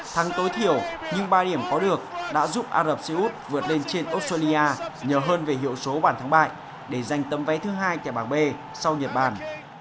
thắng tối thiểu nhưng ba điểm có được đã giúp ả rập xê út vượt lên trên australia nhờ hơn về hiệu số bản thắng bại để giành tấm vé thứ hai tại bảng b sau nhật bản